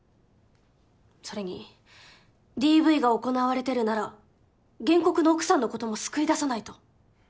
それにＤＶが行われてるなら原告の奥さんのことも救い出さないと。